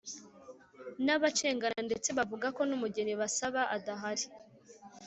n’abacengana, ndetse bavuga ko n’umugeni basaba adahari